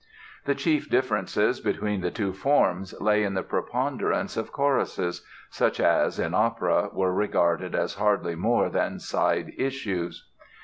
The chief differences between the two forms lay in the preponderance of choruses, such as, in opera, were regarded as hardly more than side issues.